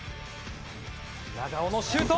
長尾のシュート！